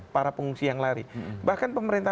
para pengungsi yang lari bahkan pemerintah